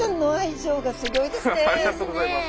ありがとうございます。